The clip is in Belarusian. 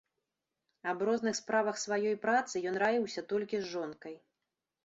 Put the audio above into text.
Аб розных справах сваёй працы ён раіўся толькі з жонкай.